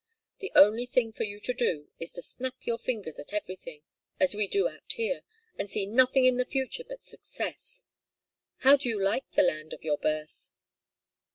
The only thing for you to do is to snap your fingers at everything, as we do out here, and see nothing in the future but success. How do you like the land of your birth?"